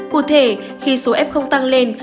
cụ thể khi số f tăng lên